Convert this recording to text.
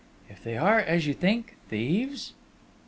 "If they are, as you think, thieves?"